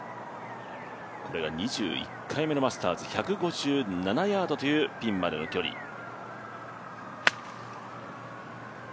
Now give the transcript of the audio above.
これが２１回目のマスターズ１５７ヤードというピンまでの距離。